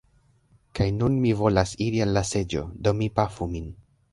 Kaj nun mi volas iri al la seĝo, do mi pafu min.